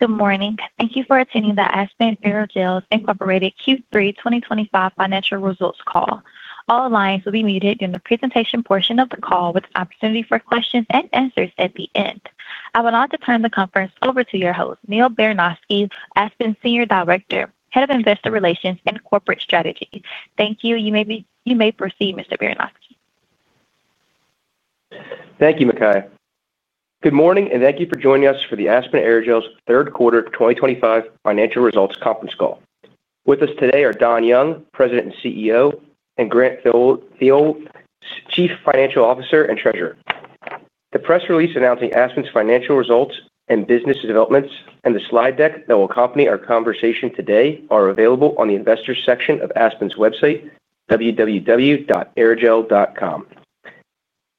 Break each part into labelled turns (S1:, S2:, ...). S1: Good morning. Thank you for attending the Aspen Aerogels Incorporated Q3 2025 financial results call. All lines will be muted during the presentation portion of the call, with an opportunity for questions and answers at the end. I would like to turn the conference over to your host, Neal Baranosky, Aspen's Senior Director, Head of Investor Relations and Corporate Strategy. Thank you. You may proceed, Mr. Baranosky.
S2: Thank you, Mackay. Good morning, and thank you for joining us for the Aspen Aerogels third quarter 2025 financial results conference call. With us today are Don Young, President and CEO, and Grant Thoele. Chief Financial Officer and Treasurer. The press release announcing Aspen's financial results and business developments and the slide deck that will accompany our conversation today are available on the investors' section of Aspen's website, www. Aerogels.com.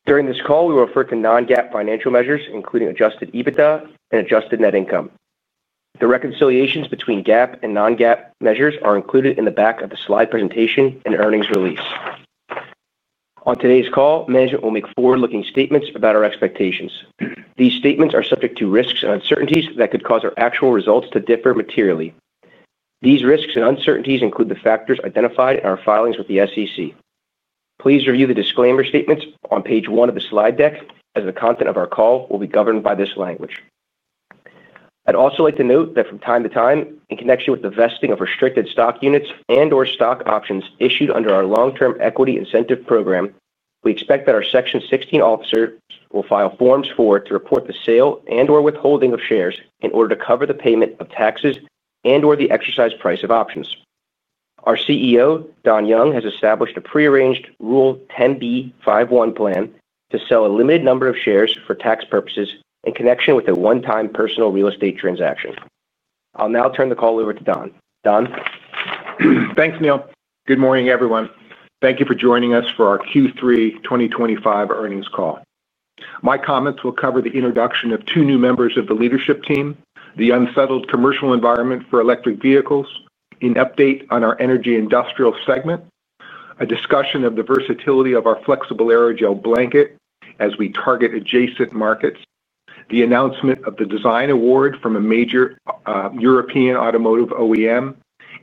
S2: During this call, we will refer to non-GAAP financial measures, including adjusted EBITDA and adjusted net income. The reconciliations between GAAP and non-GAAP measures are included in the back of the slide presentation and earnings release. On today's call, management will make forward-looking statements about our expectations. These statements are subject to risks and uncertainties that could cause our actual results to differ materially. These risks and uncertainties include the factors identified in our filings with the SEC. Please review the disclaimer statements on page one of the slide deck, as the content of our call will be governed by this language. I'd also like to note that from time to time, in connection with the vesting of restricted stock units and/or stock options issued under our long-term equity incentive program, we expect that our Section 16 officer will file Forms 4 to report the sale and/or withholding of shares in order to cover the payment of taxes and/or the exercise price of options. Our CEO, Don Young, has established a prearranged Rule 10B51 plan to sell a limited number of shares for tax purposes in connection with a one-time personal real estate transaction. I'll now turn the call over to Don. Don.
S3: Thanks, Neal. Good morning, everyone. Thank you for joining us for our Q3 2025 earnings call. My comments will cover the introduction of two new members of the leadership team, the unsettled commercial environment for electric vehicles, an update on our energy industrial segment, a discussion of the versatility of our flexible aerogel blanket as we target adjacent markets, the announcement of the design award from a major European automotive OEM,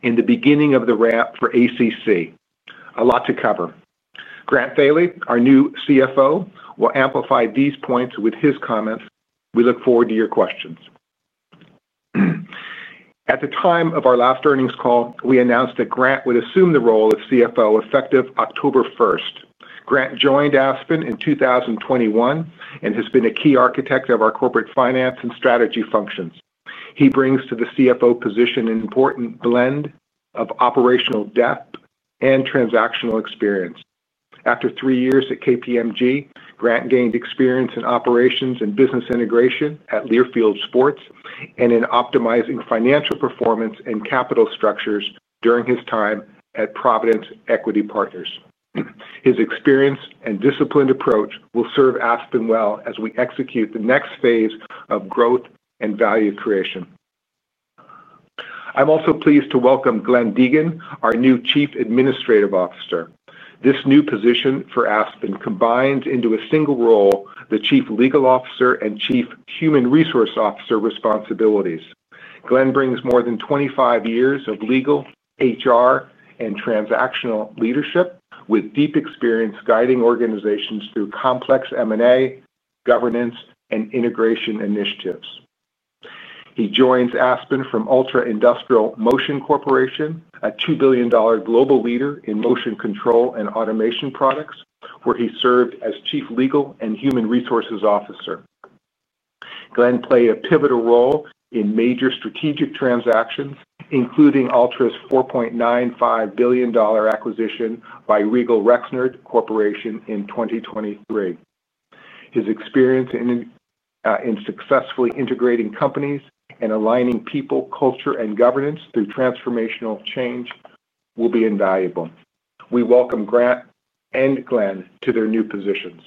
S3: and the beginning of the ramp for ACC. A lot to cover. Grant Fairley, our new CFO, will amplify these points with his comments. We look forward to your questions. At the time of our last earnings call, we announced that Grant would assume the role of CFO effective October 1st. Grant joined Aspen in 2021 and has been a key architect of our corporate finance and strategy functions. He brings to the CFO position an important blend of operational depth and transactional experience. After three years at KPMG, Grant gained experience in operations and business integration at Learfield Sports and in optimizing financial performance and capital structures during his time at Providence Equity Partners. His experience and disciplined approach will serve Aspen well as we execute the next phase of growth and value creation. I'm also pleased to welcome Glenn Deegan, our new Chief Administrative Officer. This new position for Aspen combines into a single role the Chief Legal Officer and Chief Human Resource Officer responsibilities. Glenn brings more than 25 years of legal, HR, and transactional leadership with deep experience guiding organizations through complex M&A, governance, and integration initiatives. He joins Aspen from Ultra Industrial Motion Corporation, a $2 billion global leader in motion control and automation products, where he served as Chief Legal and Human Resources Officer. Glenn played a pivotal role in major strategic transactions, including Altra's $4.95 billion acquisition by Regal Rexnord Corporation in 2023. His experience. In successfully integrating companies and aligning people, culture, and governance through transformational change will be invaluable. We welcome Grant and Glenn to their new positions.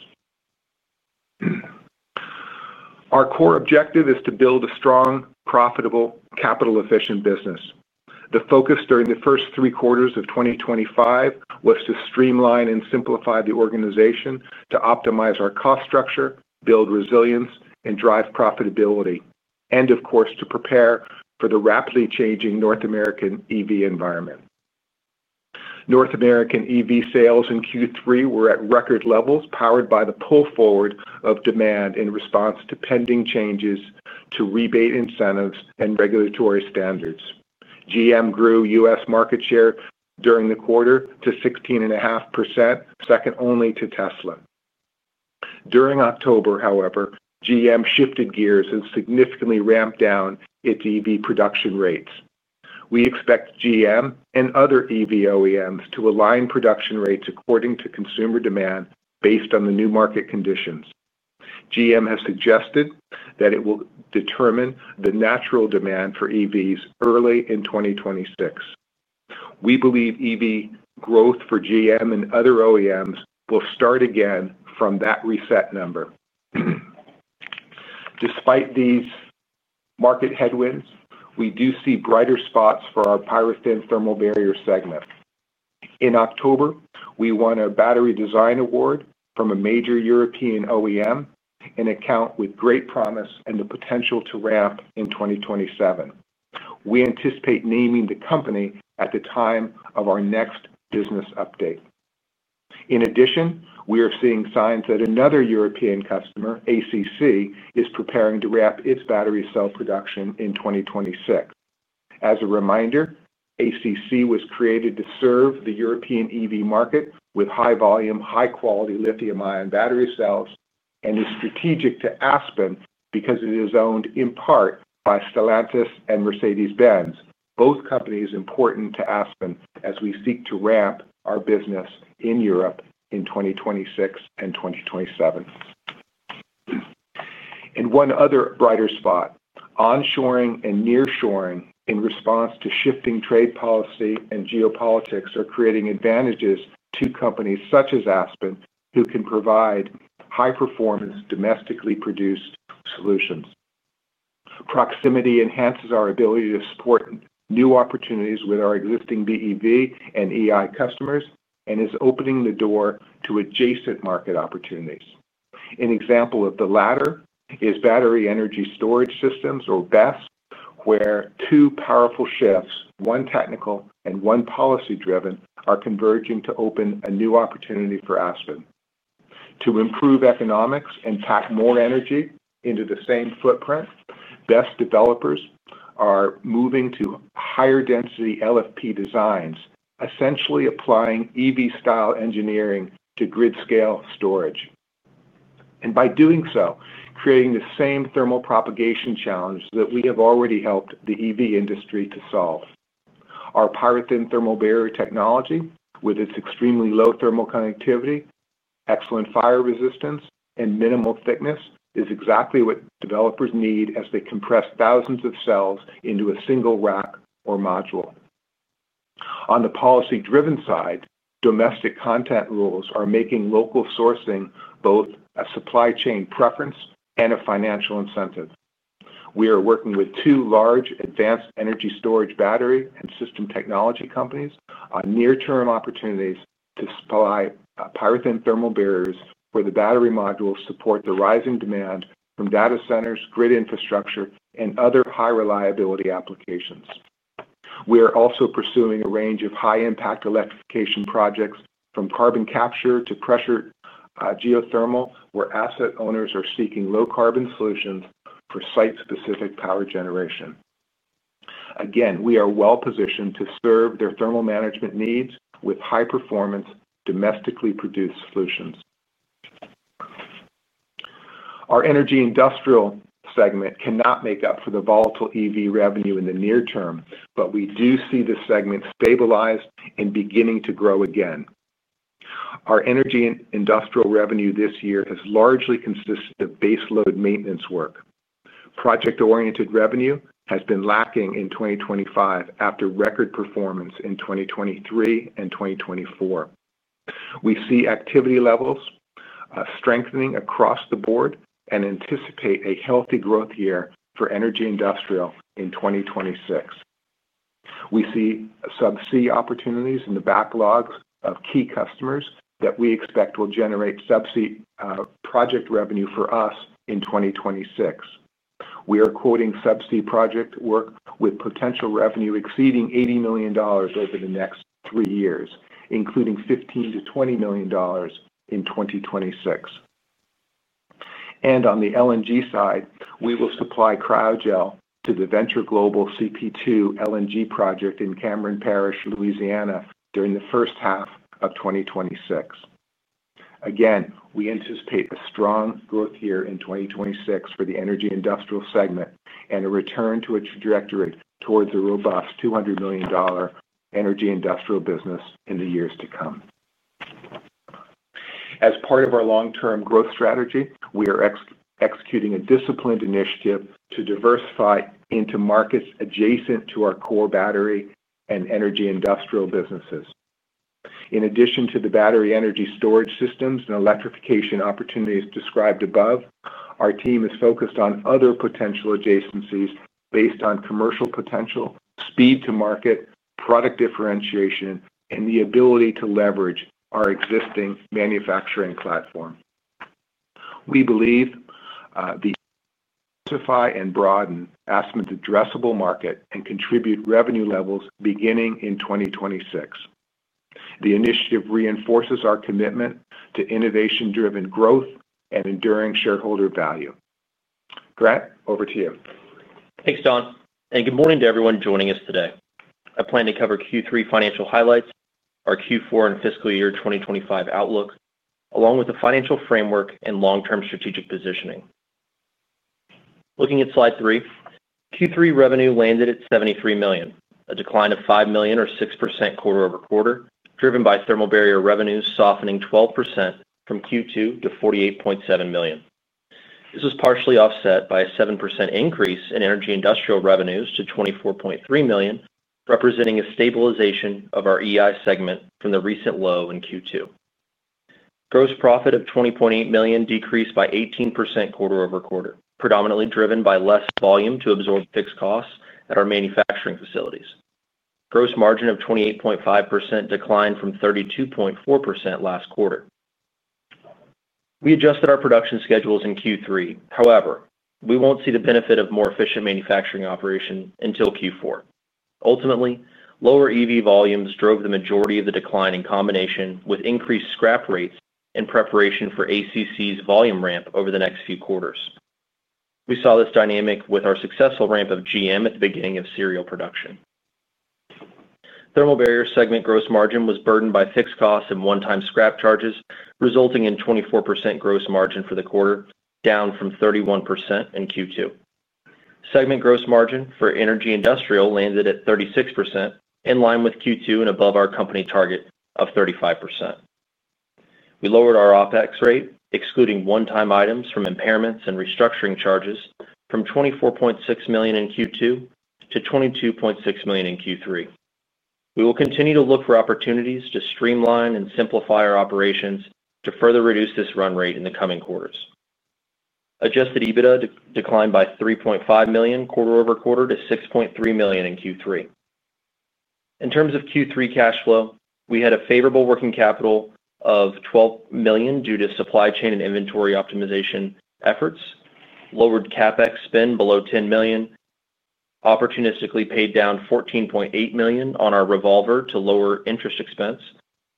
S3: Our core objective is to build a strong, profitable, capital-efficient business. The focus during the first three quarters of 2025 was to streamline and simplify the organization to optimize our cost structure, build resilience, and drive profitability, and, of course, to prepare for the rapidly changing North American EV environment. North American EV sales in Q3 were at record levels, powered by the pull forward of demand in response to pending changes to rebate incentives and regulatory standards. GM grew U.S. market share during the quarter to 16.5%, second only to Tesla. During October, however, GM shifted gears and significantly ramped down its EV production rates. We expect GM and other EV OEMs to align production rates according to consumer demand based on the new market conditions. GM has suggested that it will determine the natural demand for EVs early in 2026. We believe EV growth for GM and other OEMs will start again from that reset number. Despite these. Market headwinds, we do see brighter spots for our pyrothin thermal barrier segment. In October, we won a battery design award from a major European OEM, an account with great promise and the potential to ramp in 2027. We anticipate naming the company at the time of our next business update. In addition, we are seeing signs that another European customer, ACC, is preparing to ramp its battery cell production in 2026. As a reminder, ACC was created to serve the European EV market with high-volume, high-quality lithium-ion battery cells and is strategic to Aspen because it is owned in part by Stellantis and Mercedes-Benz, both companies important to Aspen as we seek to ramp our business in Europe in 2026 and 2027. And one other brighter spot: onshoring and nearshoring in response to shifting trade policy and geopolitics are creating advantages to companies such as Aspen, who can provide high-performance, domestically produced solutions. Proximity enhances our ability to support new opportunities with our existing BEV and EI customers and is opening the door to adjacent market opportunities. An example of the latter is battery energy storage systems, or BESS, where two powerful shifts, one technical and one policy-driven, are converging to open a new opportunity for Aspen. To improve economics and pack more energy into the same footprint, BESS developers are moving to higher-density LFP designs, essentially applying EV-style engineering to grid-scale storage. And by doing so, creating the same thermal propagation challenge that we have already helped the EV industry to solve. Our pyrothin thermal barrier technology, with its extremely low thermal conductivity, excellent fire resistance, and minimal thickness, is exactly what developers need as they compress thousands of cells into a single rack or module. On the policy-driven side, domestic content rules are making local sourcing both a supply chain preference and a financial incentive. We are working with two large advanced energy storage battery and system technology companies on near-term opportunities to supply pyrothin thermal barriers for the battery modules to support the rising demand from data centers, grid infrastructure, and other high-reliability applications. We are also pursuing a range of high-impact electrification projects, from carbon capture to pressure. Geothermal, where asset owners are seeking low-carbon solutions for site-specific power generation. Again, we are well-positioned to serve their thermal management needs with high-performance, domestically produced solutions. Our energy industrial segment cannot make up for the volatile EV revenue in the near term, but we do see the segment stabilize and beginning to grow again. Our energy industrial revenue this year has largely consisted of baseload maintenance work. Project-oriented revenue has been lacking in 2025 after record performance in 2023 and 2024. We see activity levels. Strengthening across the board and anticipate a healthy growth year for energy industrial in 2026. We see subsea opportunities in the backlogs of key customers that we expect will generate subsea project revenue for us in 2026. We are quoting subsea project work with potential revenue exceeding $80 million over the next three years, including $15 million-$20 million. In 2026. And on the LNG side, we will supply cryogel to the Venture Global CP2 LNG project in Cameron Parish, Louisiana, during the first half of 2026. Again, we anticipate a strong growth year in 2026 for the energy industrial segment and a return to a trajectory towards a robust $200 million. Energy industrial business in the years to come. As part of our long-term growth strategy, we are executing a disciplined initiative to diversify into markets adjacent to our core battery and energy industrial businesses. In addition to the battery energy storage systems and electrification opportunities described above, our team is focused on other potential adjacencies based on commercial potential, speed to market, product differentiation, and the ability to leverage our existing manufacturing platform. We believe. The. Diversify and broaden Aspen's addressable market and contribute revenue levels beginning in 2026. The initiative reinforces our commitment to innovation-driven growth and enduring shareholder value. Grant, over to you.
S4: Thanks, Don. And good morning to everyone joining us today. I plan to cover Q3 financial highlights, our Q4 and fiscal year 2025 outlook, along with the financial framework and long-term strategic positioning. Looking at slide three, Q3 revenue landed at $73 million, a decline of $5 million or 6% quarter-over-quarter, driven by thermal barrier revenues softening 12% from Q2 to $48.7 million. This was partially offset by a 7% increase in energy industrial revenues to $24.3 million, representing a stabilization of our EI segment from the recent low in Q2. Gross profit of $20.8 million decreased by 18% quarter-over-quarter, predominantly driven by less volume to absorb fixed costs at our manufacturing facilities. Gross margin of 28.5% declined from 32.4% last quarter. We adjusted our production schedules in Q3. However, we won't see the benefit of more efficient manufacturing operation until Q4. Ultimately, lower EV volumes drove the majority of the decline in combination with increased scrap rates in preparation for ACC's volume ramp over the next few quarters. We saw this dynamic with our successful ramp of GM at the beginning of serial production. Thermal barrier segment gross margin was burdened by fixed costs and one-time scrap charges, resulting in 24% gross margin for the quarter, down from 31% in Q2. Segment gross margin for energy industrial landed at 36%, in line with Q2 and above our company target of 35%. We lowered our OPEX rate, excluding one-time items from impairments and restructuring charges, from $24.6 million in Q2 to $22.6 million in Q3. We will continue to look for opportunities to streamline and simplify our operations to further reduce this run rate in the coming quarters. Adjusted EBITDA declined by $3.5 million quarter-over-quarter to $6.3 million in Q3. In terms of Q3 cash flow, we had a favorable working capital of $12 million due to supply chain and inventory optimization efforts, lowered CapEx spend below $10 million, opportunistically paid down $14.8 million on our revolver to lower interest expense,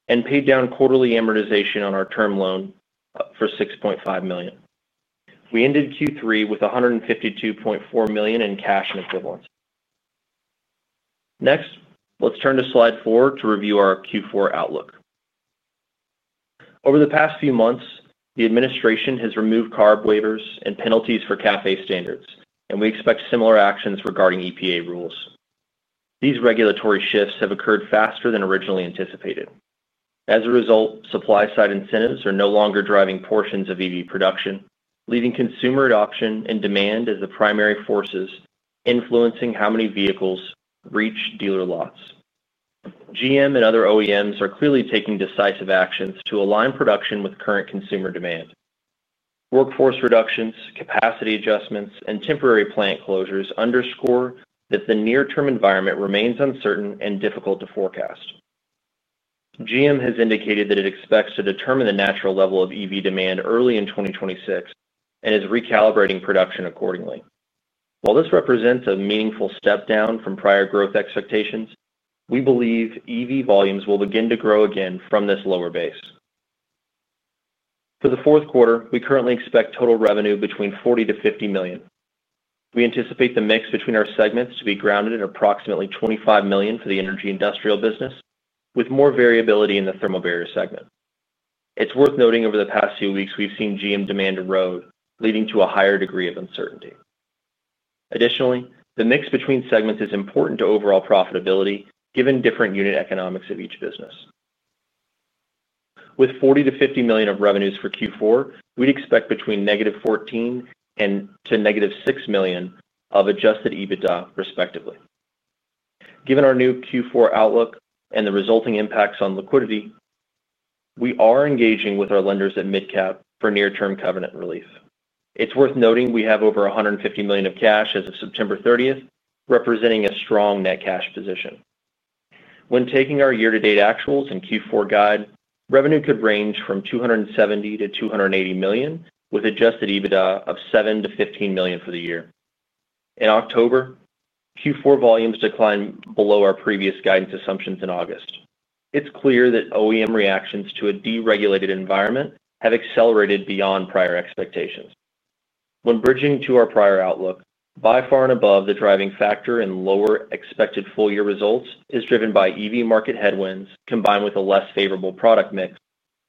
S4: and paid down quarterly amortization on our term loan for $6.5 million. We ended Q3 with $152.4 million in cash and equivalents. Next, let's turn to slide four to review our Q4 outlook. Over the past few months, the administration has removed CARB waivers and penalties for cafe standards, and we expect similar actions regarding EPA rules. These regulatory shifts have occurred faster than originally anticipated. As a result, supply-side incentives are no longer driving portions of EV production, leaving consumer adoption and demand as the primary forces influencing how many vehicles reach dealer lots. GM and other OEMs are clearly taking decisive actions to align production with current consumer demand. Workforce reductions, capacity adjustments, and temporary plant closures underscore that the near-term environment remains uncertain and difficult to forecast. GM has indicated that it expects to determine the natural level of EV demand early in 2026 and is recalibrating production accordingly. While this represents a meaningful step down from prior growth expectations, we believe EV volumes will begin to grow again from this lower base. For the fourth quarter, we currently expect total revenue between $40 million-$50 million. We anticipate the mix between our segments to be grounded in approximately $25 million for the energy industrial business, with more variability in the thermal barrier segment. It's worth noting over the past few weeks we've seen GM demand erode, leading to a higher degree of uncertainty. Additionally, the mix between segments is important to overall profitability, given different unit economics of each business. With $40 million-$50 million of revenues for Q4, we'd expect between -$14 million and to -$6 million of adjusted EBITDA, respectively. Given our new Q4 outlook and the resulting impacts on liquidity, we are engaging with our lenders at mid-cap for near-term covenant relief. It's worth noting we have over $150 million of cash as of September 30th, representing a strong net cash position. When taking our year-to-date actuals and Q4 guide, revenue could range from $270 million-$280 million, with adjusted EBITDA of $7 million-$15 million for the year. In October, Q4 volumes declined below our previous guidance assumptions in August. It's clear that OEM reactions to a deregulated environment have accelerated beyond prior expectations. When bridging to our prior outlook, by far and above, the driving factor in lower expected full-year results is driven by EV market headwinds combined with a less favorable product mix,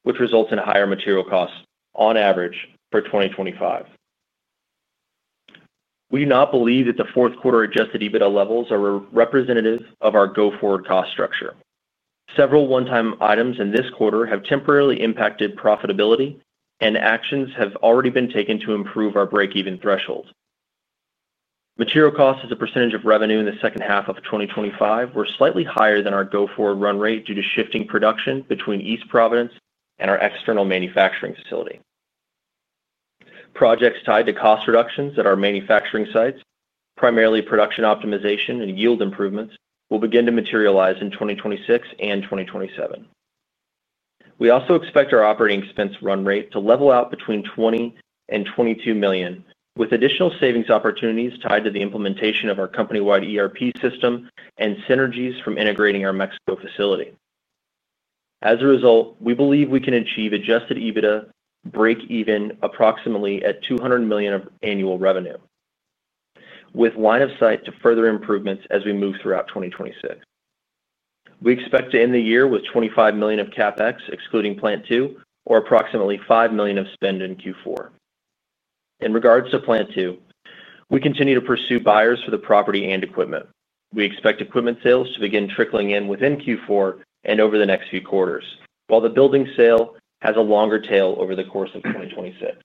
S4: which results in higher material costs on average for 2025. We do not believe that the fourth quarter adjusted EBITDA levels are representative of our go-forward cost structure. Several one-time items in this quarter have temporarily impacted profitability, and actions have already been taken to improve our break-even threshold. Material costs as a percentage of revenue in the second half of 2025 were slightly higher than our go-forward run rate due to shifting production between East Providence and our external manufacturing facility. Projects tied to cost reductions at our manufacturing sites, primarily production optimization and yield improvements, will begin to materialize in 2026 and 2027. We also expect our operating expense run rate to level out between $20 million-$22 million, with additional savings opportunities tied to the implementation of our company-wide ERP system and synergies from integrating our Mexico facility. As a result, we believe we can achieve adjusted EBITDA break-even approximately at $200 million of annual revenue. With line of sight to further improvements as we move throughout 2026. We expect to end the year with $25 million of CapEx, excluding plant two, or approximately $5 million of spend in Q4. In regards to plant two, we continue to pursue buyers for the property and equipment. We expect equipment sales to begin trickling in within Q4 and over the next few quarters, while the building sale has a longer tail over the course of 2026.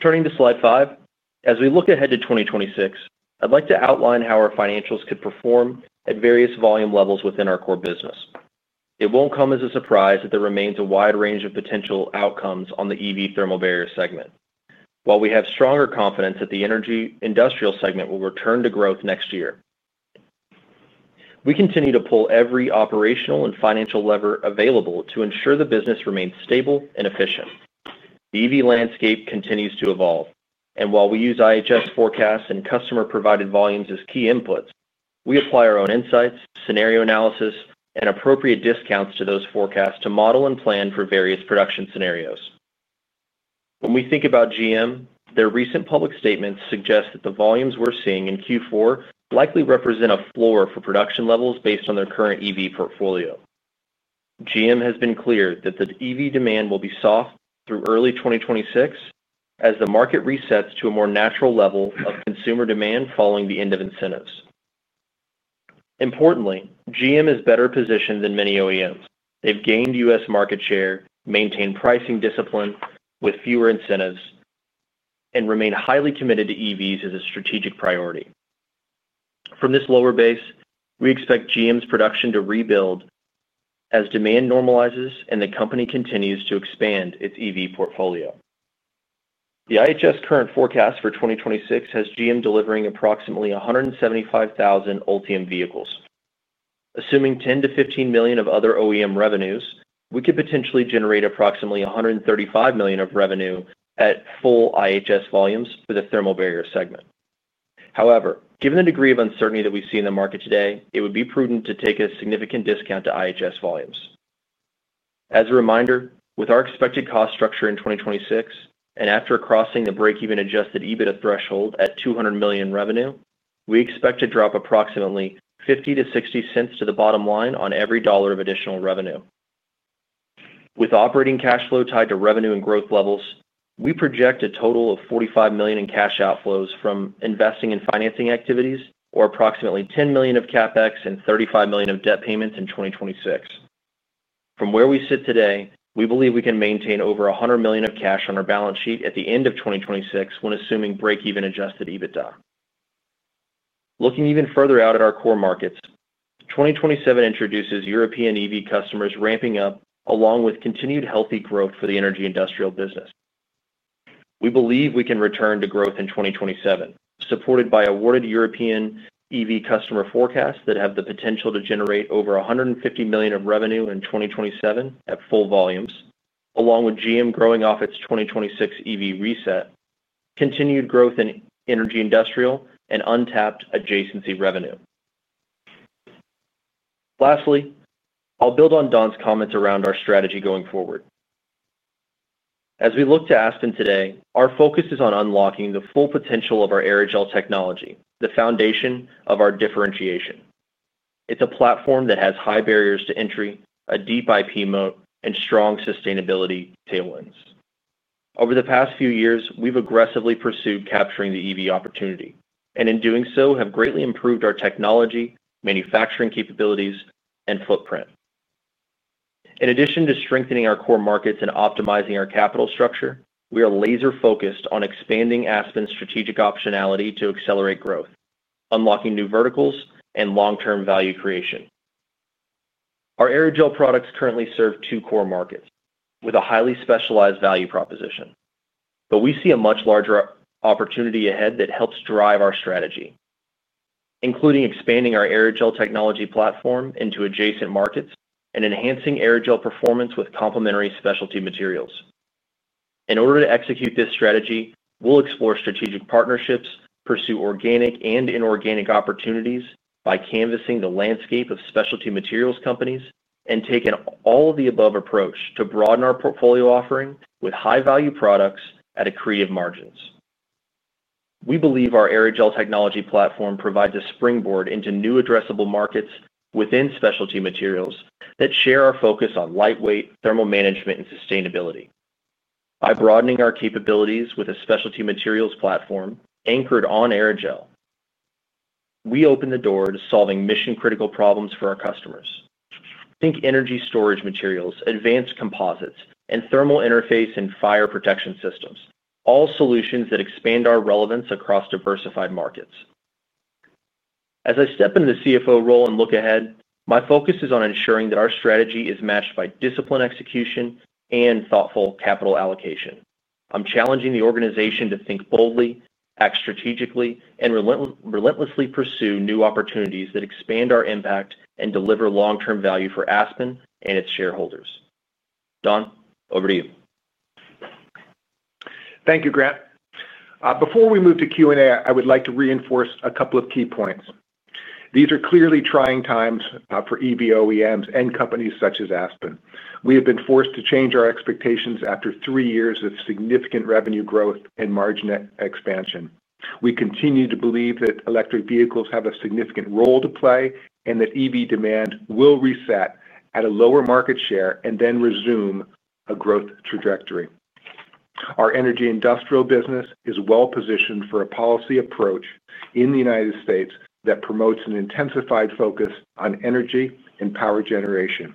S4: Turning to slide five, as we look ahead to 2026, I'd like to outline how our financials could perform at various volume levels within our core business. It won't come as a surprise that there remains a wide range of potential outcomes on the EV thermal barrier segment, while we have stronger confidence that the energy industrial segment will return to growth next year. We continue to pull every operational and financial lever available to ensure the business remains stable and efficient. The EV landscape continues to evolve, and while we use IHS forecasts and customer-provided volumes as key inputs, we apply our own insights, scenario analysis, and appropriate discounts to those forecasts to model and plan for various production scenarios. When we think about GM, their recent public statements suggest that the volumes we're seeing in Q4 likely represent a floor for production levels based on their current EV portfolio. GM has been clear that the EV demand will be soft through early 2026 as the market resets to a more natural level of consumer demand following the end of incentives. Importantly, GM is better positioned than many OEMs. They've gained U.S. market share, maintained pricing discipline with fewer incentives. And remain highly committed to EVs as a strategic priority. From this lower base, we expect GM's production to rebuild. As demand normalizes and the company continues to expand its EV portfolio. The IHS current forecast for 2026 has GM delivering approximately 175,000 Ultium vehicles. Assuming $10 million-$15 million of other OEM revenues, we could potentially generate approximately $135 million of revenue at full IHS volumes for the thermal barrier segment. However, given the degree of uncertainty that we see in the market today, it would be prudent to take a significant discount to IHS volumes. As a reminder, with our expected cost structure in 2026 and after crossing the break-even adjusted EBITDA threshold at $200 million revenue, we expect to drop approximately $0.50-$0.60 to the bottom line on every dollar of additional revenue. With operating cash flow tied to revenue and growth levels, we project a total of $45 million in cash outflows from investing in financing activities, or approximately $10 million of CapEx and $35 million of debt payments in 2026. From where we sit today, we believe we can maintain over $100 million of cash on our balance sheet at the end of 2026 when assuming break-even adjusted EBITDA. Looking even further out at our core markets, 2027 introduces European EV customers ramping up, along with continued healthy growth for the energy industrial business. We believe we can return to growth in 2027, supported by awarded European EV customer forecasts that have the potential to generate over $150 million of revenue in 2027 at full volumes, along with GM growing off its 2026 EV reset, continued growth in energy industrial, and untapped adjacency revenue. Lastly, I'll build on Don's comments around our strategy going forward. As we look to Aspen today, our focus is on unlocking the full potential of our Aerogels technology, the foundation of our differentiation. It's a platform that has high barriers to entry, a deep IP moat, and strong sustainability tailwinds. Over the past few years, we've aggressively pursued capturing the EV opportunity, and in doing so, have greatly improved our technology, manufacturing capabilities, and footprint. In addition to strengthening our core markets and optimizing our capital structure, we are laser-focused on expanding Aspen's strategic optionality to accelerate growth, unlocking new verticals, and long-term value creation. Our Aerogel products currently serve two core markets with a highly specialized value proposition. But we see a much larger opportunity ahead that helps drive our strategy, including expanding our Aerogel technology platform into adjacent markets and enhancing Aerogel performance with complementary specialty materials. In order to execute this strategy, we'll explore strategic partnerships, pursue organic and inorganic opportunities by canvassing the landscape of specialty materials companies, and take an all-of-the-above approach to broaden our portfolio offering with high-value products at accretive margins. We believe our Aerogel technology platform provides a springboard into new addressable markets within specialty materials that share our focus on lightweight thermal management and sustainability. By broadening our capabilities with a specialty materials platform anchored on Aerogel. We open the door to solving mission-critical problems for our customers. Think energy storage materials, advanced composites, and thermal interface and fire protection systems—all solutions that expand our relevance across diversified markets. As I step into the CFO role and look ahead, my focus is on ensuring that our strategy is matched by discipline execution and thoughtful capital allocation. I'm challenging the organization to think boldly, act strategically, and relentlessly pursue new opportunities that expand our impact and deliver long-term value for Aspen and its shareholders. Don, over to you.
S3: Thank you, Grant. Before we move to Q&A, I would like to reinforce a couple of key points. These are clearly trying times for EV OEMs and companies such as Aspen. We have been forced to change our expectations after three years of significant revenue growth and margin expansion. We continue to believe that electric vehicles have a significant role to play and that EV demand will reset at a lower market share and then resume a growth trajectory. Our energy industrial business is well-positioned for a policy approach in the United States that promotes an intensified focus on energy and power generation.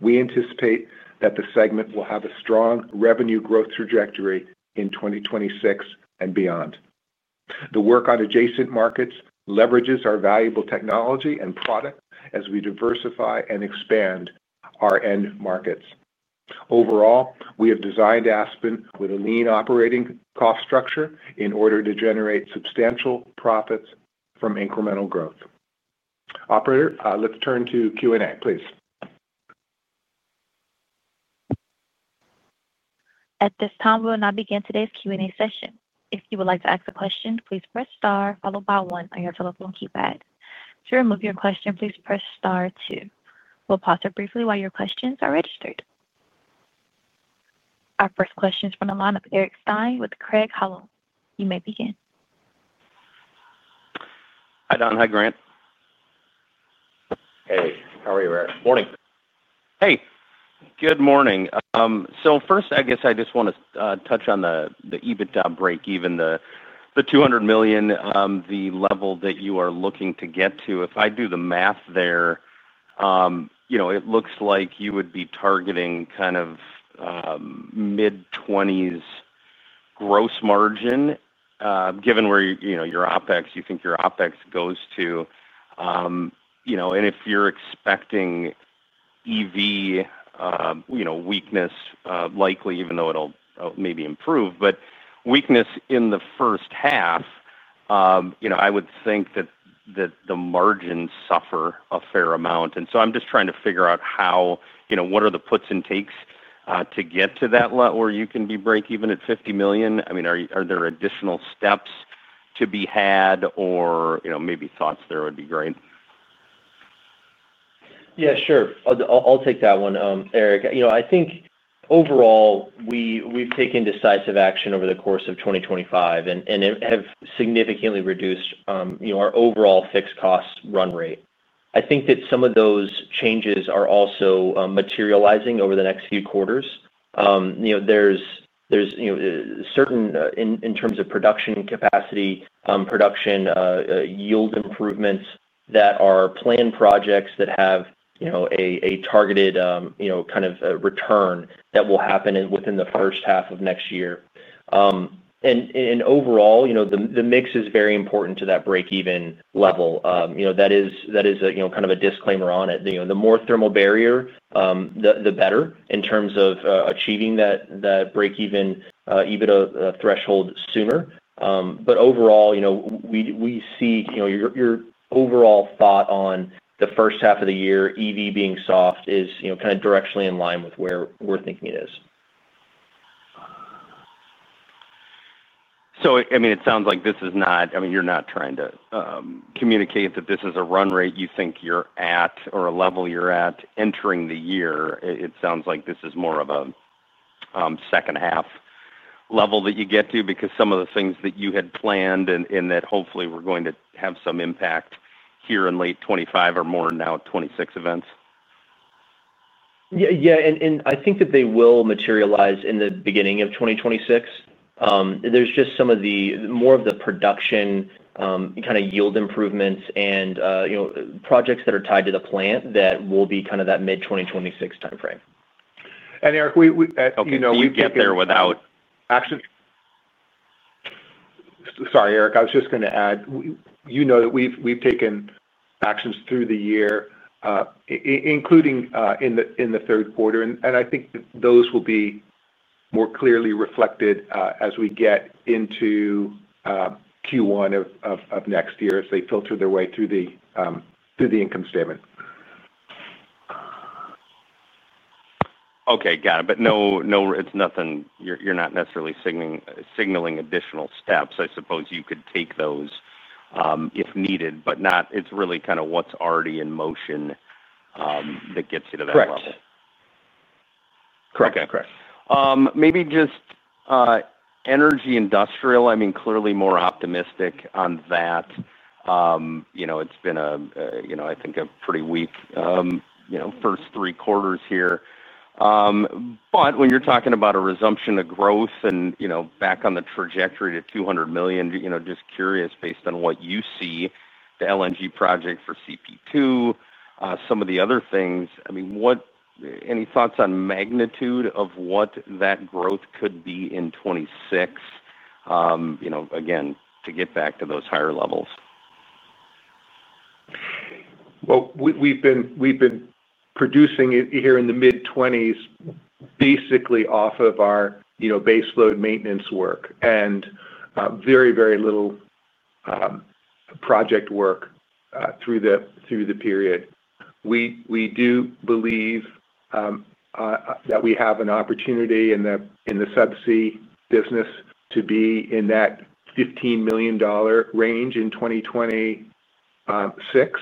S3: We anticipate that the segment will have a strong revenue growth trajectory in 2026 and beyond. The work on adjacent markets leverages our valuable technology and product as we diversify and expand our end markets. Overall, we have designed Aspen with a lean operating cost structure in order to generate substantial profits from incremental growth. Operator, let's turn to Q&A, please.
S1: At this time, we will now begin today's Q&A session. If you would like to ask a question, please press star followed by one on your telephone keypad. To remove your question, please press Star Two. We'll pause here briefly while your questions are registered. Our first question is from the lineup, Eric Stine with Craig-Hallum. You may begin.
S5: Hi, Don. Hi, Grant.
S3: Hey. How are you, Eric?
S4: Morning.
S5: Hey. Good morning. So first, I guess I just want to touch on the EBITDA break-even, the $200 million, the level that you are looking to get to. If I do the math there. It looks like you would be targeting kind of. Mid-20s. Gross margin, given where your OpEx, you think your OpEx goes to. And if you're expecting. EV. Weakness likely, even though it'll maybe improve, but weakness in the first half. I would think that. The margins suffer a fair amount. And so I'm just trying to figure out. What are the puts and takes to get to that level where you can be break-even at $50 million? I mean, are there additional steps to be had, or maybe thoughts there would be great?
S4: Yeah, sure. I'll take that one, Eric. I think overall. We've taken decisive action over the course of 2025 and have significantly reduced our overall fixed cost run rate. I think that some of those changes are also. Materializing over the next few quarters. There's. Certain, in terms of production capacity, production. Yield improvements that are planned projects that have. A targeted kind of return that will happen within the first half of next year. And overall, the mix is very important to that break-even level. That is kind of a disclaimer on it. The more thermal barrier, the better in terms of achieving that break-even EBITDA threshold sooner. But overall. We see your overall thought on the first half of the year, EV being soft, is kind of directionally in line with where we're thinking it is.
S5: So I mean, it sounds like this is not—I mean, you're not trying to communicate that this is a run rate you think you're at or a level you're at entering the year. It sounds like this is more of a. Second-half level that you get to because some of the things that you had planned and that hopefully were going to have some impact here in late 2025 are more now at 2026 events?
S4: Yeah. And I think that they will materialize in the beginning of 2026. There's just some of the more of the production. Kind of yield improvements and. Projects that are tied to the plant that will be kind of that mid-2026 timeframe.
S3: And Eric, we—okay. We can't get there without action. Sorry, Eric. I was just going to add, you know that we've taken actions through the year, including in the third quarter. And I think that those will be more clearly reflected as we get into. Q1 of next year as they filter their way through the. Income statement.
S5: Okay. Got it. But it's nothing you're not necessarily signaling additional steps. I suppose you could take those. If needed, but it's really kind of what's already in motion. That gets you to that level.
S3: Correct. Correct. Correct.
S5: Maybe just. Energy industrial. I mean, clearly more optimistic on that. It's been, I think, a pretty weak. First three quarters here. But when you're talking about a resumption of growth and back on the trajectory to $200 million, just curious based on what you see, the LNG project for CP2, some of the other things. I mean. Any thoughts on magnitude of what that growth could be in 2026. Again, to get back to those higher levels?
S3: Well, we've been producing here in the mid-20s basically off of our baseload maintenance work and. Very, very little. Project work through the period. We do believe. That we have an opportunity in the subsea business to be in that $15 million. Range in 2026.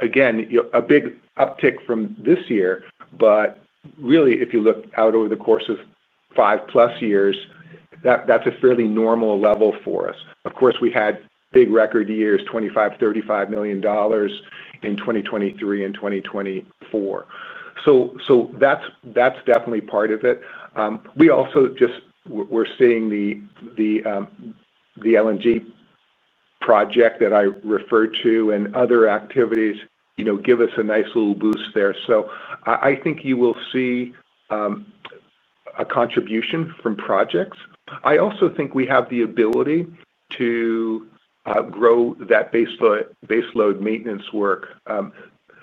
S3: Again, a big uptick from this year, but really, if you look out over the course of five-plus years, that's a fairly normal level for us. Of course, we had big record years, $25, $35 million. In 2023 and 2024. So that's definitely part of it. We also just were seeing the. LNG. Project that I referred to and other activities give us a nice little boost there. So I think you will see. A contribution from projects. I also think we have the ability to. Grow that baseload maintenance work.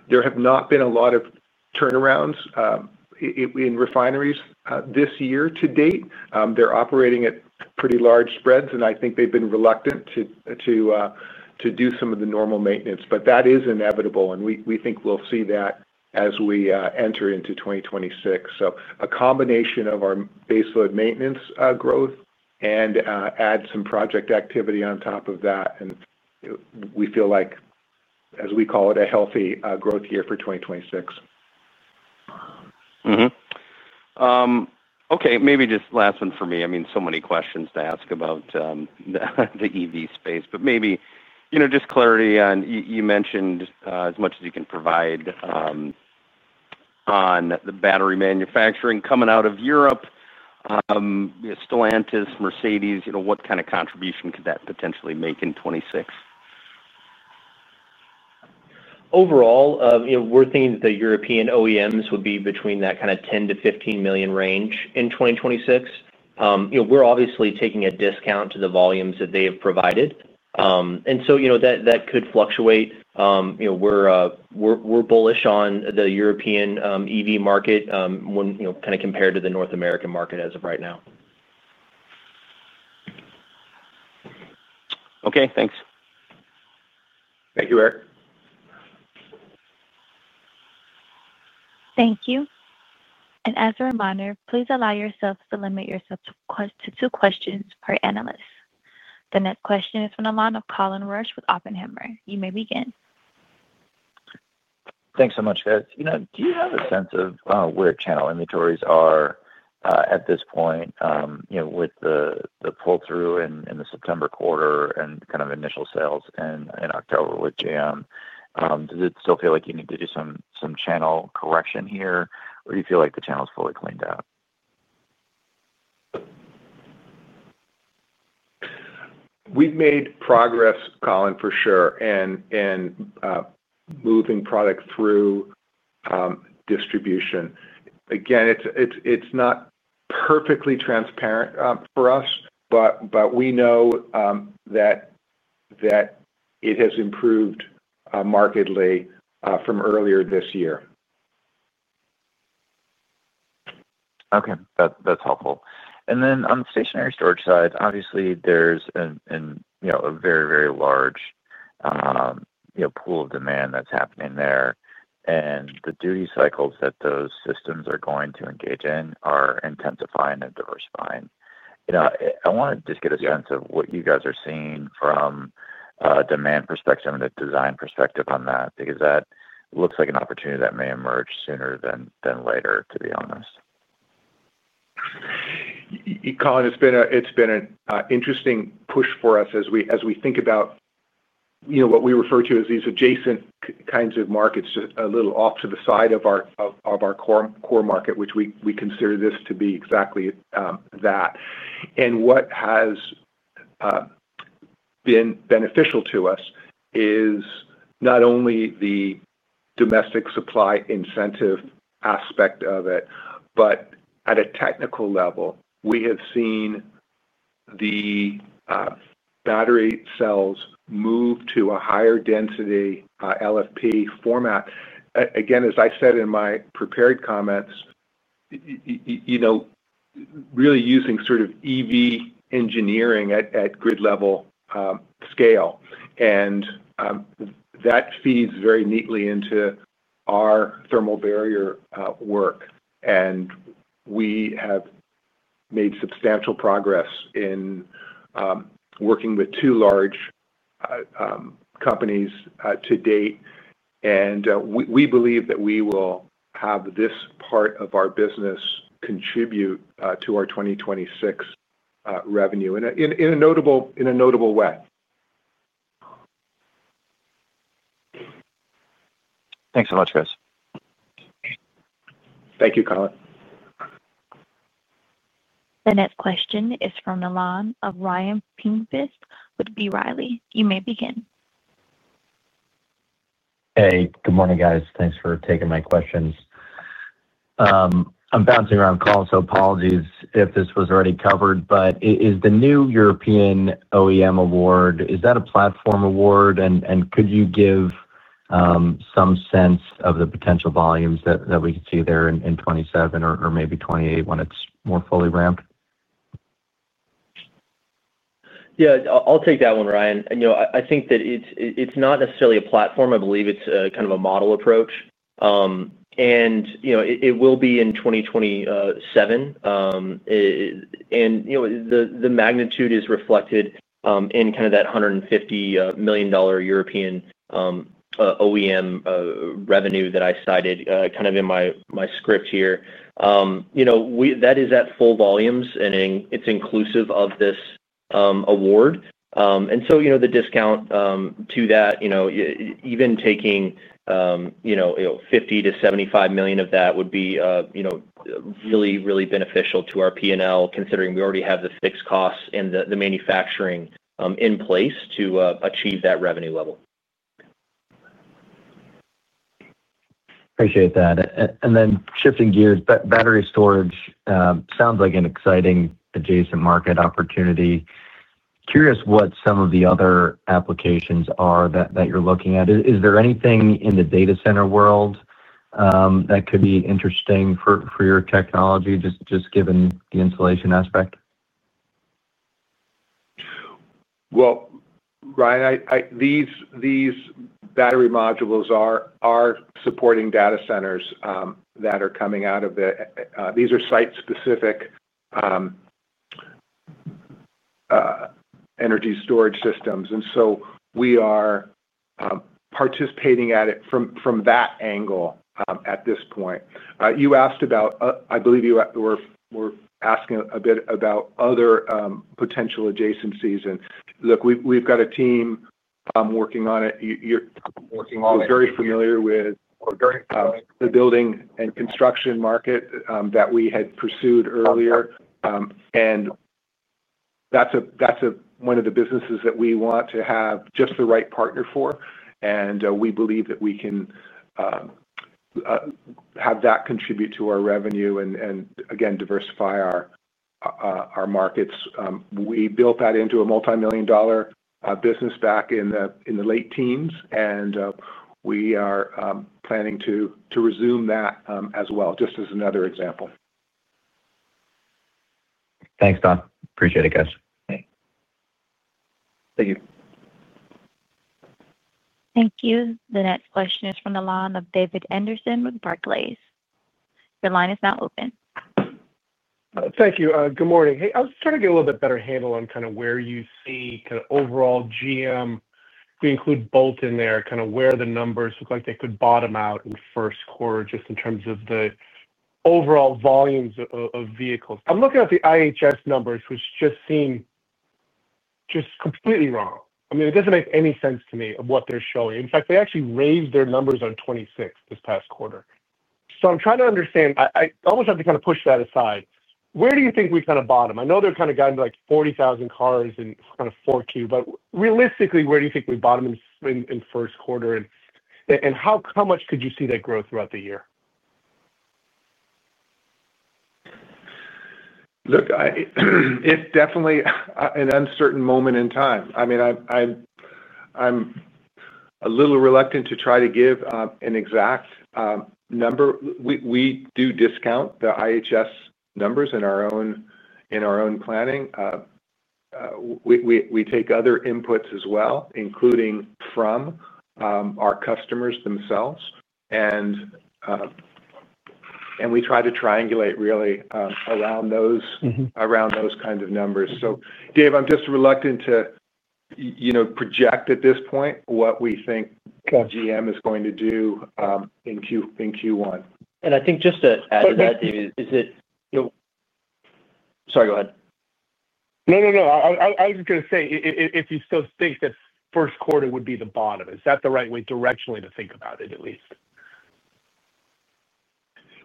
S3: There have not been a lot of turnarounds. In refineries this year to date. They're operating at pretty large spreads, and I think they've been reluctant to. Do some of the normal maintenance. But that is inevitable, and we think we'll see that as we enter into 2026. So a combination of our baseload maintenance growth and add some project activity on top of that. And we feel like, as we call it, a healthy growth year for 2026.
S5: Okay. Maybe just last one for me. I mean, so many questions to ask about. The EV space, but maybe just clarity on you mentioned as much as you can provide. On the battery manufacturing coming out of Europe. Stellantis, Mercedes, what kind of contribution could that potentially make in 2026?
S4: Overall, we're thinking that the European OEMs would be between that kind of $10 million-$15 million range in 2026. We're obviously taking a discount to the volumes that they have provided. And so that could fluctuate. We're bullish on the European EV market. Kind of compared to the North American market as of right now.
S5: Okay. Thanks.
S3: Thank you, Eric.
S1: Thank you. And as a reminder, please allow yourself to limit yourself to two questions per analyst. The next question is from the line of Colin Rusch with Oppenheimer. You may begin.
S6: Thanks so much, guys. Do you have a sense of where channel inventories are at this point. With the pull-through in the September quarter and kind of initial sales in October with GM? Does it still feel like you need to do some channel correction here, or do you feel like the channel is fully cleaned out?
S4: We've made progress, Colin, for sure, and. Moving product through. Distribution. Again, it's not perfectly transparent for us, but we know that. It has improved markedly from earlier this year.
S6: Okay. That's helpful. And then on the stationary storage side, obviously, there's a very, very large. Pool of demand that's happening there. And the duty cycles that those systems are going to engage in are intensifying and diversifying. I want to just get a sense of what you guys are seeing from. A demand perspective and a design perspective on that because that looks like an opportunity that may emerge sooner than later, to be honest.
S3: Colin, it's been an interesting push for us as we think about. What we refer to as these adjacent kinds of markets, just a little off to the side of our core market, which we consider this to be exactly that. And what has. Been beneficial to us is not only the. Domestic supply incentive aspect of it, but at a technical level, we have seen. The. Battery cells move to a higher density LFP format. Again, as I said in my prepared comments. Really using sort of EV engineering at grid-level. Scale. And. That feeds very neatly into. Our thermal barrier work. And we have made substantial progress in. Working with two large. Companies to date. And we believe that we will have this part of our business. Contribute to our 2026. Revenue in a notable way.
S6: Thanks so much, Chris.
S3: Thank you, Colin.
S1: The next question is from the line of Ryan Pfingst with B. Riley, you may begin.
S7: Hey. Good morning, guys. Thanks for taking my questions. I'm bouncing around calls, so apologies if this was already covered. But is the new European OEM award, is that a platform award? And could you give. Some sense of the potential volumes that we could see there in 2027 or maybe 2028 when it's more fully ramped?
S4: Yeah. I'll take that one, Ryan. I think that it's not necessarily a platform. I believe it's kind of a model approach. And it will be in 2027. And. The magnitude is reflected in kind of that $150 million European. OEM revenue that I cited kind of in my script here. That is at full volumes, and it's inclusive of this award. And so the discount to that. Even taking. $50 million-$75 million of that would be. Really, really beneficial to our P&L, considering we already have the fixed costs and the manufacturing in place to achieve that revenue level.
S7: Appreciate that. And then shifting gears, battery storage sounds like an exciting adjacent market opportunity. Curious what some of the other applications are that you're looking at. Is there anything in the data center world. That could be interesting for your technology, just given the insulation aspect?
S3: Well, Ryan, these. Battery modules are supporting data centers that are coming out of the—these are site-specific. Energy storage systems. And so we are. Participating at it from that angle at this point. You asked about—I believe you were asking a bit about other potential adjacencies. And look, we've got a team working on it. You're working on it. We're very familiar with. The building and construction market that we had pursued earlier. And. That's one of the businesses that we want to have just the right partner for. And we believe that we can. Have that contribute to our revenue and, again, diversify our. Markets. We built that into a multi-million dollar business back in the late teens. And we are planning to resume that as well, just as another example.
S7: Thanks, Don. Appreciate it, guys.
S3: Thank you.
S1: Thank you. The next question is from the line of David Anderson with Barclays. Your line is now open.
S8: Thank you. Good morning. Hey, I was trying to get a little bit better handle on kind of where you see kind of overall GM—we include Bolt in there—kind of where the numbers look like they could bottom out. First quarter, just in terms of the. Overall volumes of vehicles. I'm looking at the IHS numbers, which just seem. Just completely wrong. I mean, it doesn't make any sense to me of what they're showing. In fact, they actually raised their numbers on 2026 this past quarter. So I'm trying to understand—I almost have to kind of push that aside. Where do you think we kind of bottom? I know they're kind of going to 40,000 cars and kind of 4Q, but realistically, where do you think we bottom in first quarter? And how much could you see that grow throughout the year?
S3: Look. It's definitely an uncertain moment in time. I mean. I'm a little reluctant to try to give an exact. Number. We do discount the IHS numbers in our own. Planning. We take other inputs as well, including from. Our customers themselves. And. We try to triangulate really around those. Kinds of numbers. So, Dave, I'm just reluctant to. Project at this point what we think. GM is going to do. In Q1.
S4: And I think just to add to that, David, is it— Sorry, go ahead.
S8: No, no, no. I was just going to say, if you still think that first quarter would be the bottom, is that the right way directionally to think about it, at least?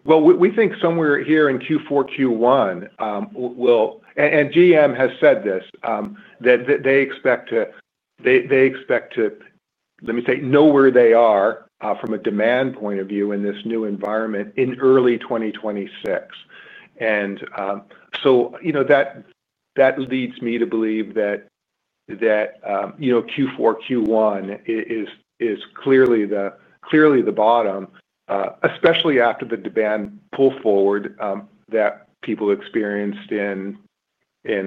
S3: Well, we think somewhere here in Q4, Q1. Will—and GM has said this—that they expect to. Let me say, know where they are from a demand point of view in this new environment in early 2026. And. So that. Leads me to believe that. Q4, Q1 is clearly the. Bottom, especially after the demand pull forward that people experienced in.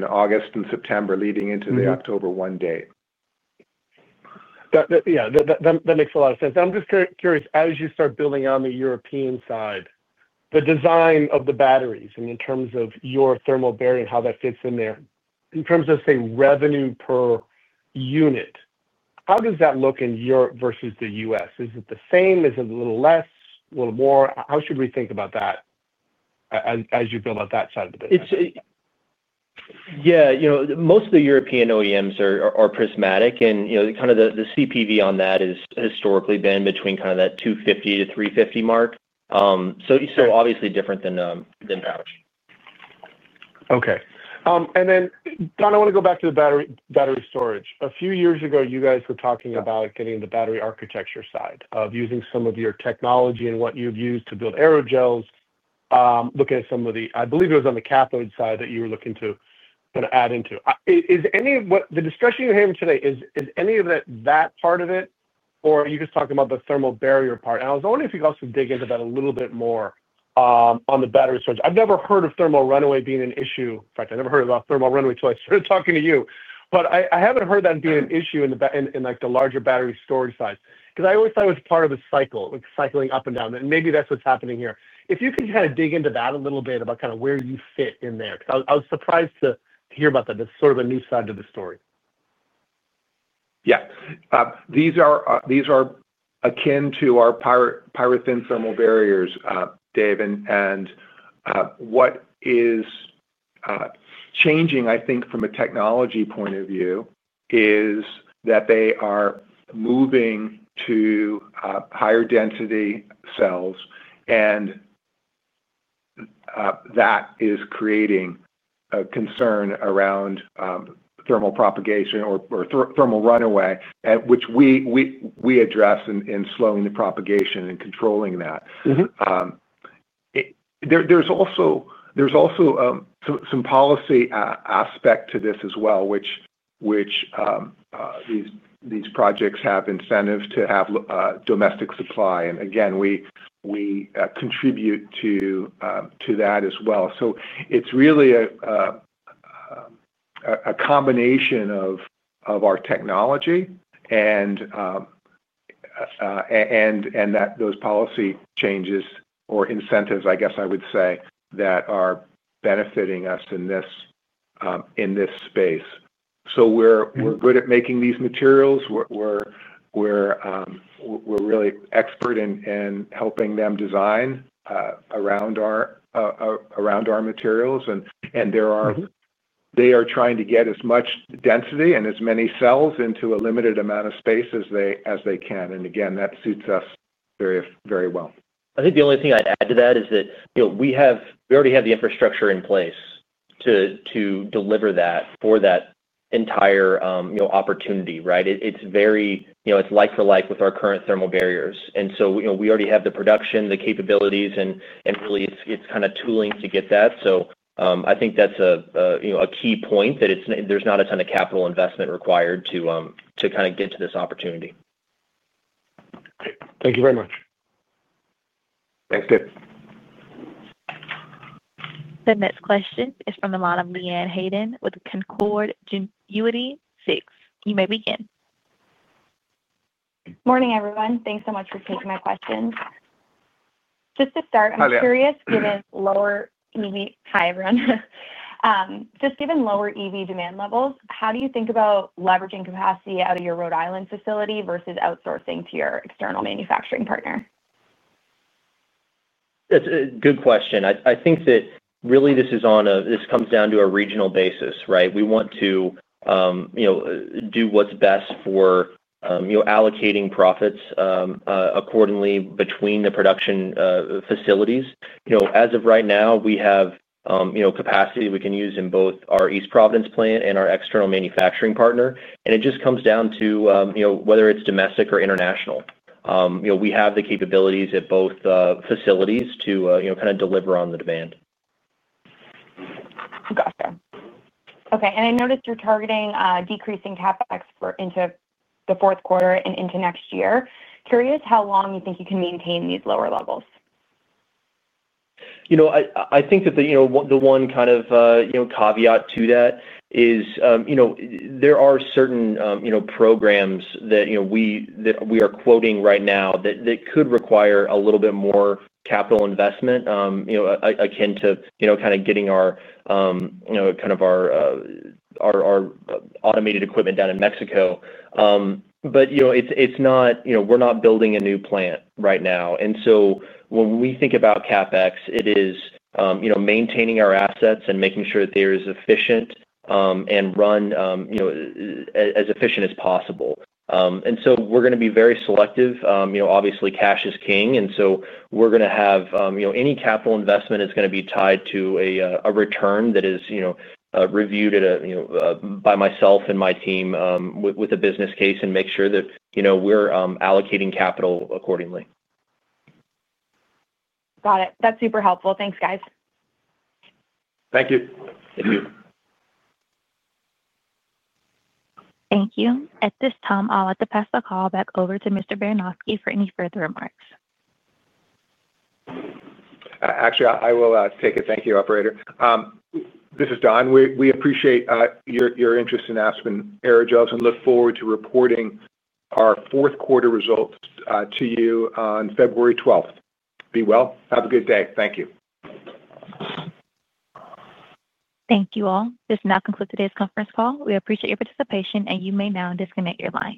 S3: August and September leading into the October 1 date.
S8: Yeah. That makes a lot of sense. I'm just curious, as you start building on the European side, the design of the batteries and in terms of your thermal barrier, how that fits in there, in terms of, say, revenue per unit, how does that look in Europe versus the US? Is it the same? Is it a little less, a little more? How should we think about that. As you build out that side of the business?
S4: Yeah. Most of the European OEMs are prismatic. And kind of the CPV on that has historically been between kind of that 250-350 mark. So obviously different than Parish.
S8: Okay. And then, Don, I want to go back to the battery storage. A few years ago, you guys were talking about getting into battery architecture side of using some of your technology and what you've used to build aerogels, looking at some of the—I believe it was on the cathode side that you were looking to kind of add into. The discussion you're having today, is any of that part of it, or are you just talking about the thermal barrier part? And I was wondering if you could also dig into that a little bit more. On the battery storage. I've never heard of thermal runaway being an issue. In fact, I never heard about thermal runaway until I started talking to you. But I haven't heard that being an issue in the larger battery storage size because I always thought it was part of the cycle, cycling up and down. And maybe that's what's happening here. If you could kind of dig into that a little bit about kind of where you fit in there. I was surprised to hear about that. That's sort of a new side to the story.
S3: Yeah. These are. Akin to our PyroThin thermal barriers, Dave. And. What is. Changing, I think, from a technology point of view, is that they are moving to. Higher density cells. And. That is creating a concern around. Thermal propagation or thermal runaway, which. We address in slowing the propagation and controlling that. There's also. Some policy aspect to this as well, which. These projects have incentive to have domestic supply. And again, we. Contribute to. That as well. So it's really. A combination of our technology and. Those policy changes or incentives, I guess I would say, that are benefiting us in this. Space. So we're good at making these materials. We're. Really expert in helping them design. Around our. Materials. And. They are trying to get as much density and as many cells into a limited amount of space as they can. And again, that suits us very well.
S4: I think the only thing I'd add to that is that we already have the infrastructure in place to. Deliver that for that entire opportunity, right? It's like for like with our current thermal barriers. And so we already have the production, the capabilities, and really, it's kind of tooling to get that. So I think that's a key point, that there's not a ton of capital investment required to kind of get to this opportunity.
S8: Thank you very much.
S3: Thanks, Dave.
S1: The next question is from the line of Leanne Hayden with Canaccord Genuity. You may begin.
S9: Morning, everyone. Thanks so much for taking my questions. Just to start, I'm curious, given lower—hi, everyone. Just given lower EV demand levels, how do you think about leveraging capacity out of your Rhode Island facility versus outsourcing to your external manufacturing partner?
S4: That's a good question. I think that really, this comes down to a regional basis, right? We want to. Do what's best for. Allocating profits. Accordingly between the production facilities. As of right now, we have. Capacity we can use in both our East Providence plant and our external manufacturing partner. And it just comes down to whether it's domestic or international. We have the capabilities at both facilities to kind of deliver on the demand.
S9: Gotcha. Okay. And I noticed you're targeting decreasing CapEx into the fourth quarter and into next year. Curious how long you think you can maintain these lower levels.
S4: I think that the one kind of caveat to that is. There are certain. Programs that. We are quoting right now that could require a little bit more capital investment. Akin to kind of getting our. Kind of our. Automated equipment down in Mexico. But it's not—we're not building a new plant right now. And so when we think about CapEx, it is maintaining our assets and making sure that they are as efficient and run. As efficient as possible. And so we're going to be very selective. Obviously, cash is king. And so we're going to have any capital investment that's going to be tied to a return that is. Reviewed by myself and my team with a business case and make sure that we're allocating capital accordingly.
S9: Got it. That's super helpful. Thanks, guys.
S4: Thank you.
S3: Thank you.
S1: Thank you. At this time, I'll have to pass the call back over to Mr. Baronosky for any further remarks.
S3: Actually, I will take it. Thank you, Operator. This is Don. We appreciate your interest in Aspen Aerogels. Look forward to reporting our fourth quarter results to you on February 12th. Be well. Have a good day. Thank you.
S1: Thank you all. This now concludes today's conference call. We appreciate your participation, and you may now disconnect your line.